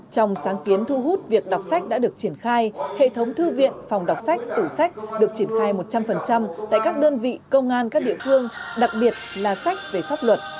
trong sáng kiến thu hút việc đọc sách đã được triển khai hệ thống thư viện phòng đọc sách tủ sách được triển khai một trăm linh tại các đơn vị công an các địa phương đặc biệt là sách về pháp luật